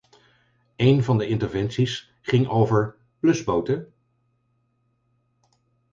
Een van de interventies ging over 'blusboten?.